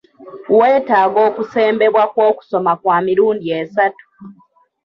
Weetaaga okusembebwa kw'okusoma kwa mirundi esatu.